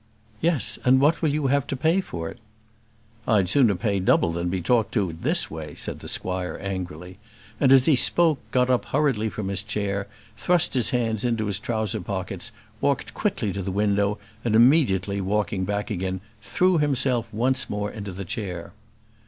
"Yes; and what will you have to pay for it?" "I'd sooner pay double than be talked to in this way," said the squire, angrily, and, as he spoke, he got up hurriedly from his chair, thrust his hands into his trousers pockets, walked quickly to the window, and immediately walking back again, threw himself once more into his chair.